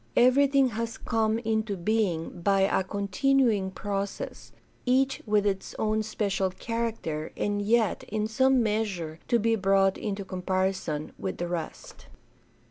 .... Everything has come into being by a continuing process, each with its own special character and yet in some measure to be brought into comparison with the rest."